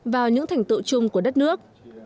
vào những thành tựu chung của đất nước